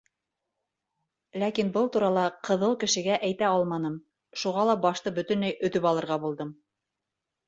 Ләкин был турала ҡыҙыл кешегә әйтә алманым, шуға ла башты бөтөнләй өҙөп алырға булдым!